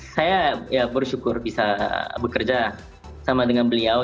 saya bersyukur bisa bekerja sama dengan beliau